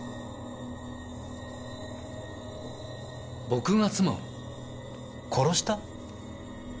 僕が妻を殺した？